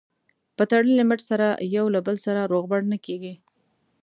په تړلي مټ سره یو له بل سره روغبړ نه کېږي.